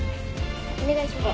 お願いします。